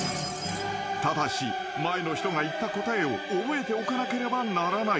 ［ただし前の人が言った答えを覚えておかなければならない］